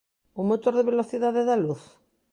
Un motor de velocidade da luz?